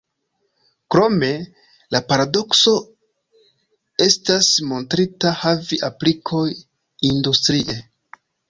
Krome, la paradokso estas montrita havi aplikoj industrie.